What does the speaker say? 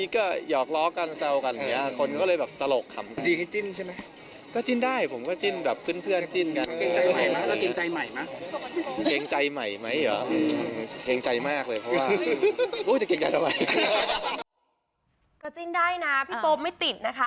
ก็จิ้นได้นะพี่โป๊ปไม่ติดนะคะ